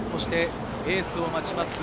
エースを待ちます